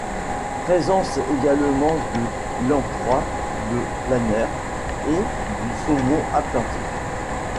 Présence également de Lamproie de Planer et du saumon atlantique.